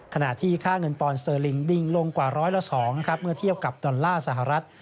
ขณะที่ค่าเงินปอนเซอร์ลิงดิงลงกว่าร้อยละ๒เมื่อเทียบกับดอลลาร์สหรัฐ